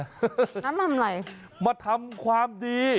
งั้นทำอะไรมาทำความดี